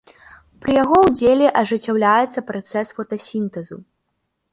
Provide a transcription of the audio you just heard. Пры яго ўдзеле ажыццяўляецца працэс фотасінтэзу.